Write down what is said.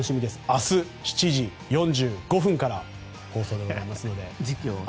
明日、７時４５分から放送でございますので。